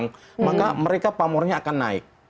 hari lalu rana rana